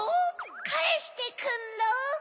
かえしてくんろ！